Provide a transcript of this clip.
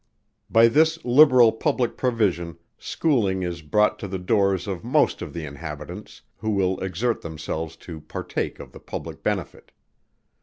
By this liberal public provision schooling is brought to the doors of most of the inhabitants, who will exert themselves to partake of the public benefit.